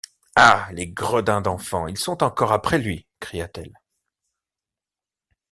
Ah! les gredins d’enfants, ils sont encore après lui ! cria-t-elle.